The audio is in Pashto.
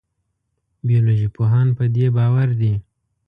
بیولوژي پوهان په دې باور دي.